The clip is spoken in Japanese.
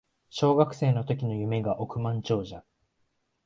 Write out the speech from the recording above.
小学生の時の夢が億万長者